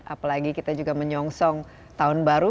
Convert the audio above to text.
apalagi kita juga menyongsong tahun baru